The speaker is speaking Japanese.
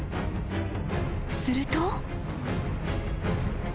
［すると］